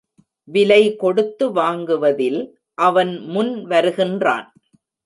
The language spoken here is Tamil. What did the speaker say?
விலை கொடுத்து வாங்குவதில் அவன் முன் வருகின்றான்.